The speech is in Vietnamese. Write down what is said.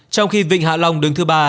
trong khi vịnh hạ long đứng thứ ba